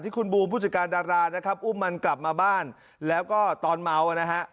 คุณบูมผู้จัดการดารานะครับอุ้มมันกลับมาบ้านแล้วก็ตอนเมานะฮะ